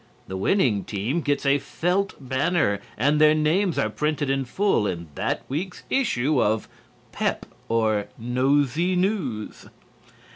The winning team gets a felt banner and their names are printed in full in that week's issue of "Pep" or "Nosey News."